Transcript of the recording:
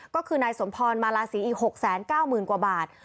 ก็คือนายสมพรมาลาศีอีก๖๙๐๐๐กว่าบาท